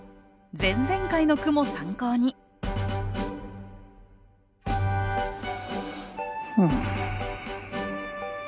前々回の句も参考にうん。